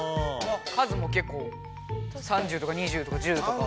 数もけっこう３０とか２０とか１０とか。